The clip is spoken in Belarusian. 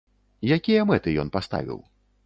Якія мэты ён паставіў?